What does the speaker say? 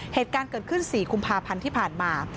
เหตุการณ์เกิดขึ้น๔กุมภาพันธ์ที่ผ่านมา